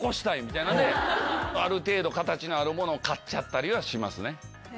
ある程度形のあるものを買っちゃったりはしますね。